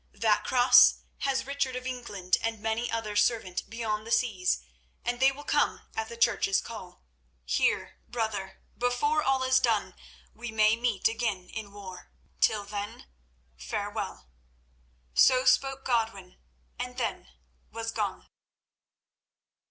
That Cross has Richard of England and many another servant beyond the seas, and they will come at the Church's call. Here, brother, before all is done, we may meet again in war. Till then, farewell." So spoke Godwin and then was gone.